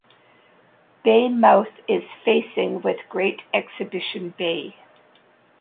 Bay mouth is facing with Great Exhibition Bay.